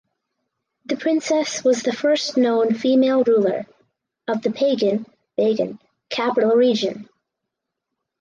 The princess was the first known female ruler of the Pagan (Bagan) capital region.